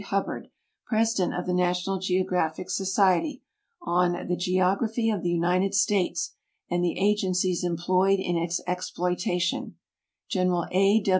Hubbard, President of the National Geographic Society, on the Geography of the United States and the Agencies employed in its Exploitation ; General A.